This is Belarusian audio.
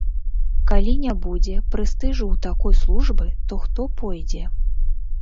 Калі не будзе прэстыжу ў такой службы, то хто пойдзе?